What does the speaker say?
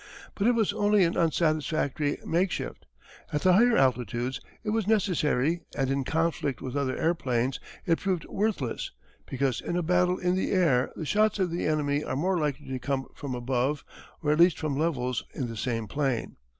But it was only an unsatisfactory makeshift. At the higher altitudes it was unnecessary and in conflict with other airplanes it proved worthless, because in a battle in the air the shots of the enemy are more likely to come from above or at least from levels in the same plane.